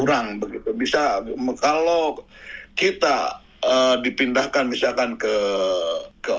lima titik tapi kami merasa keberatan ini ya pak